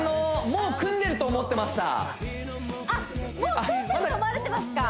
もう組んでると思われてますか？